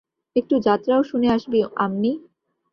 একটু যাত্রাও শুনে আসবি আমনি।